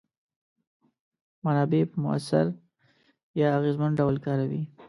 منابع په موثر یا اغیزمن ډول کاروي.